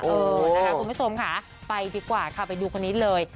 เออนะคะคุณผู้ชมค่ะไปดีกว่าค่ะไปดูคนนี้เลย